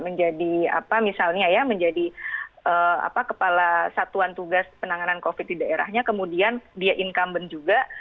jangan sampai petahana petahana ini yang notabene menjadi kepala satuan tugas penanganan covid di daerahnya kemudian dia incumbent juga